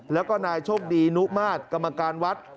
แล้วก็นายโชคดีนุมาตรกรรมการวัด